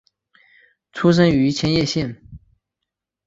出生于千叶县。